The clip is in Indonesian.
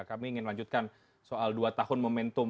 kami ingin melanjutkan soal dua tahun momentum